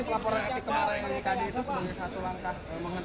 itu sebagai satu langkah menghentikan bapak sebagai pepatu kebangsaan